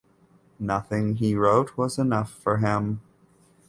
Nothing he wrote was enough for him.